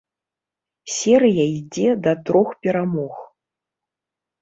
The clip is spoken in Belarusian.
Серыя ідзе да трох перамог.